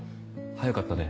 早かったね。